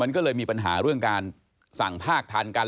มันก็เลยมีปัญหาเรื่องการสั่งภาคทันกัน